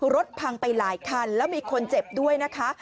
รถพังไปหลายคันแล้วมีคนเจ็บด้วยนะคะ